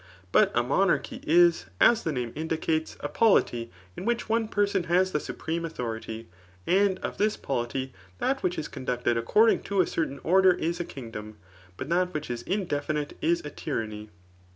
But a monarchy is, as the name indicates, a polity in which one person has the supreme authority. And of this polity, that which is conducted according to a cer tain order is a kingdom ; but that which is indefinite is a tyranny.